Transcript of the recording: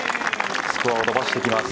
スコアを伸ばしてきます。